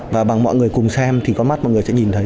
và bằng mọi người cùng xem thì có mắt mọi người sẽ nhìn thấy